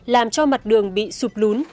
làm cho mặt đường bị sụp lún